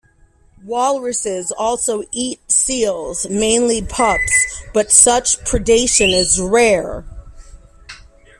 Walruses also eat these seals, mainly pups, but such predation is rare.